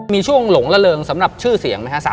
มีช่วงหลงละเริงสำหรับชื่อเสียงไหมครับ